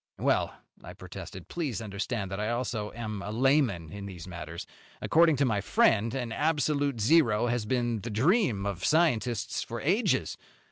"Well," I protested, "please understand that I also am a layman in these matters. According to my friend, an absolute zero has been the dream of scientists for ages.